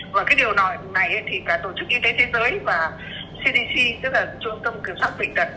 và cái điều nói này thì cả tổ chức y tế thế giới và cdc tức là trung tâm kiểm soát bệnh tật